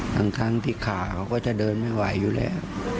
ทั้งที่ขาเขาก็จะเดินไม่ไหวอยู่แล้ว